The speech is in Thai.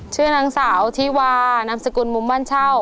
ชื่อนางสาวที่วานามสกุลมุมบ้านเช่า